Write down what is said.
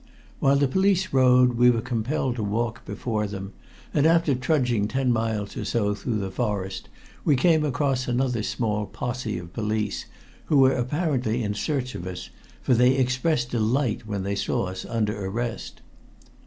While the police rode, we were compelled to walk before them, and after trudging ten miles or so through the forest we came across another small posse of police, who were apparently in search of us, for they expressed delight when they saw us under arrest.